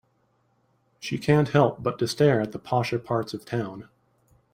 She can't help but to stare at the posher parts of town.